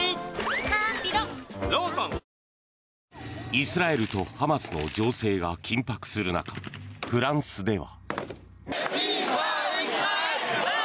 イスラエルとハマスの情勢が緊迫する中、フランスでは。